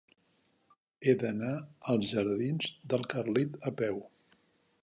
He d'anar als jardins del Carlit a peu.